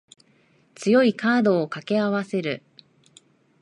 強いカードを掛け合わせる